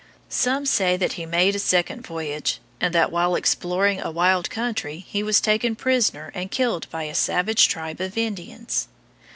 Some say that he made a second voyage, and that while exploring a wild country he was taken prisoner and killed by a savage tribe of Indians.